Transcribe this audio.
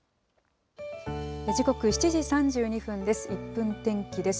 時刻、７時３２分です。